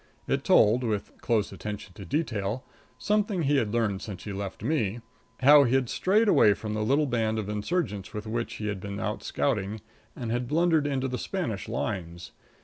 It told, with close attention to detail something he had learned since he left me how he had strayed away from the little band of insurgents with which he had been out scouting and had blundered into the Spanish lines.